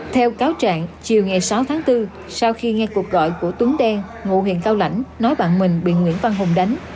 theo cáo trạng chiều ngày sáu tháng bốn sau khi nghe cuộc gọi của tuấn đen ngụ huyện cao lãnh nói bạn mình bị nguyễn văn hùng đánh